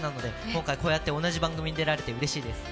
今回、こうやって同じ番組に出られてうれしいです。